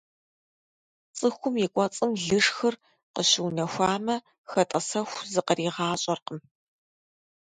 ЦӀыхум и кӀуэцӀым лышхыр къыщыунэхуамэ, хэтӀэсэху зыкъригъащӀэркъым.